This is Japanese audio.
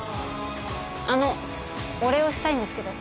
あのお礼をしたいんですけど。